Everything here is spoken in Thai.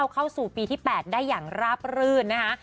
เข้าสู่ปีที่๘ได้อย่างราบรื่นนะคะ